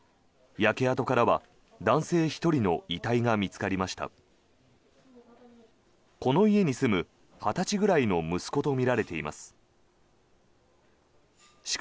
焼け跡からは男性１人の遺体が見つかりました。